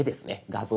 画像